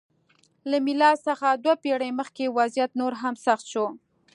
له میلاد څخه دوه پېړۍ مخکې وضعیت نور هم سخت شو.